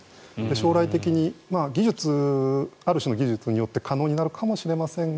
将来的にある種の技術によって可能になるかもしれませんが。